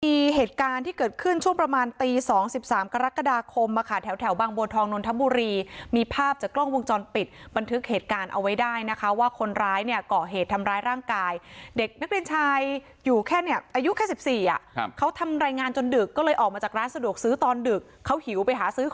มีเหตุการณ์ที่เกิดขึ้นช่วงประมาณตีสองสิบสามกรกฎาคมอะค่ะแถวแถวบางบัวทองนนทบุรีมีภาพจากกล้องวงจรปิดบันทึกเหตุการณ์เอาไว้ได้นะคะว่าคนร้ายเนี่ยก่อเหตุทำร้ายร่างกายเด็กนักเรียนชายอยู่แค่เนี่ยอายุแค่สิบสี่อ่ะครับเขาทำรายงานจนดึกก็เลยออกมาจากร้านสะดวกซื้อตอนดึกเขาหิวไปหาซื้อ